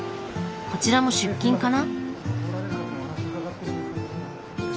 こちらも出勤かな？